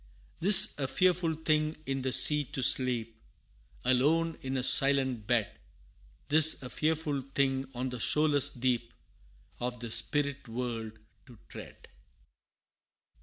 'Tis a fearful thing in the sea to sleep Alone in a silent bed 'Tis a fearful thing on the shoreless deep Of the spirit world to tread!